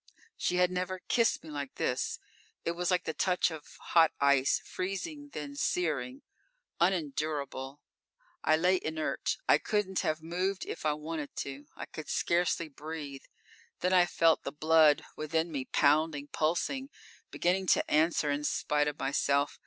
She had never kissed me like this. It was like the touch of hot ice, freezing, then searing. Unendurable. I lay inert; I couldn't have moved if I wanted to. I could scarcely breathe. Then I felt the blood within me pounding, pulsing, beginning to answer in spite of myself.